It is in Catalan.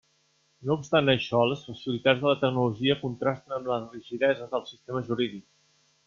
No obstant això, les facilitats de la tecnologia contrasten amb la rigidesa del sistema jurídic.